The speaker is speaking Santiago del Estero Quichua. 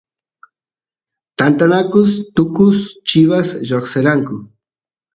tantanakus tukus chivas lloqseranku